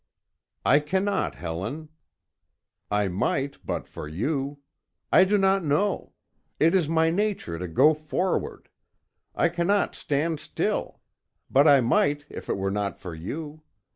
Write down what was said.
"I cannot, Helen. I might but for you. I do not know; it is my nature to go forward; I cannot stand still: but I might if it were not for you.